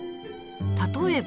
例えば